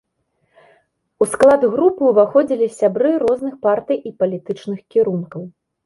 У склад групы ўваходзілі сябры розных партый і палітычных кірункаў.